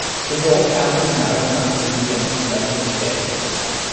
The Door County Maritime Museum is located there.